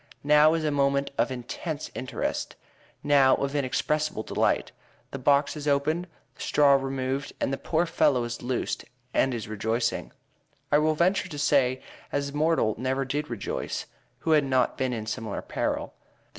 Now is a moment of intense interest now of inexpressible delight. The box is opened, the straw removed, and the poor fellow is loosed; and is rejoicing, I will venture to say, as mortal never did rejoice, who had not been in similar peril.